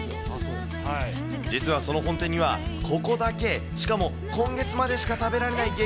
実はその本店には、ここだけ、しかも今月までしか食べられない激